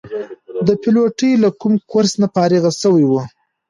د پیلوټۍ له کوم کورس نه فارغ شوي وو.